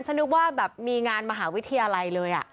นึกว่าแบบมีงานมหาวิทยาลัยเลย